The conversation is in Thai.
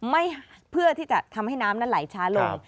เพื่อที่จะทำให้น้ำนั้นไหลช้าลง